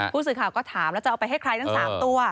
ผู้สื่อข่าวก็ถามแล้วจะเอาไปให้ใครทั้ง๓ตัว